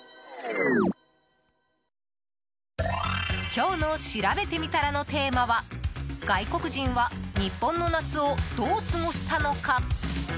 今日のしらべてみたらのテーマは外国人は日本の夏をどう過ごしたのか。